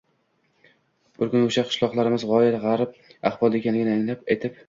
Bir kuni o’sha qishloqlarimiz g’oyat g’arib ahvolda ekanligini aytib